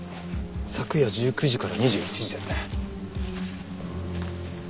昨夜１９時から２１時ですね。